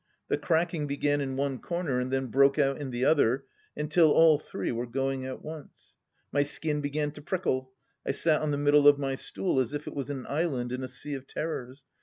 The cracking began in one corner and then broke out in the other, until all three were going at once. My skin began to prickle. I sat on the middle of my stool as if it was an island in a sea of terrors.